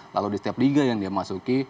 lalu di setiap liga yang dia masuki